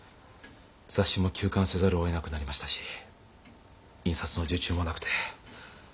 雑誌も休刊せざるをえなくなりましたし印刷の受注もなくて。